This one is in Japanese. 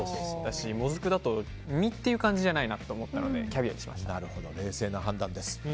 モズクだと、実という感じじゃないなと思ったので冷静な判断です。